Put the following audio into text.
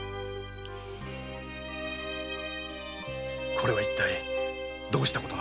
これは一体どうした事なんです？